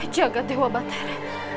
jaga dewa batere